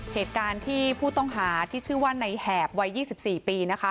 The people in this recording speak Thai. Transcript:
เหตุการณ์ที่ผู้ต้องหาที่ชื่อว่าในแหบวัย๒๔ปีนะคะ